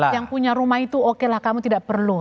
yang punya rumah itu okelah kamu tidak perlu